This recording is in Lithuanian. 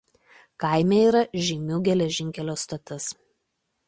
Kaime yra Žeimių geležinkelio stotis.